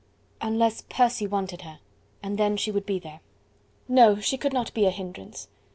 unless Percy wanted her, and then she would be there. No! she could not be a hindrance.